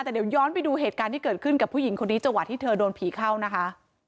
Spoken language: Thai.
แต่เดี๋ยวย้อนไปดูเหตุการณ์ที่เกิดขึ้นกับผู้หญิงคนนี้จังหวะที่เธอโดนผีเข้านะคะ